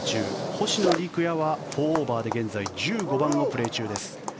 星野陸也は４オーバーで現在１５番をプレー中です。